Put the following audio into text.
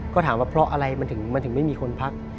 ก็ถามว่าเพราะอะไรมันถึงไม่มีคนพัก